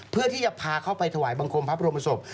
เพื่อที่จะพาเข้าไปถวายบังคมพระบรมศพ